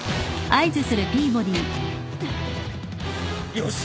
よし！